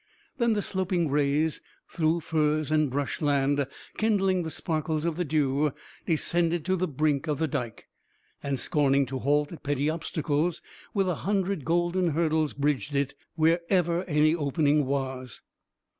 Then the sloping rays, through furze and brush land, kindling the sparkles of the dew, descended to the brink of the Dike, and scorning to halt at petty obstacles, with a hundred golden hurdles bridged it wherever any opening was.